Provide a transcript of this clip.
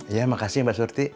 ya makasih mbak surti